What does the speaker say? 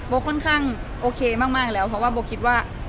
ค่อนข้างโอเคมากแล้วเพราะว่าโบคิดว่า